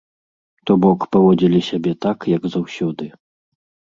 То бок, паводзілі сябе так, як заўсёды.